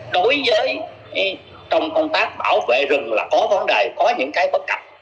đối với trong công tác bảo vệ rừng là có vấn đề có những cái bất cập